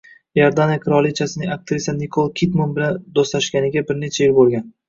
Iordaniya qirolichasining aktrisa Nikol Kidman bilan do‘stlashganiga bir necha yil bo‘lgan